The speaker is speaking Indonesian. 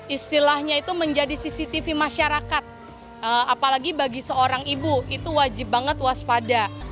istilahnya itu menjadi cctv masyarakat apalagi bagi seorang ibu itu wajib banget waspada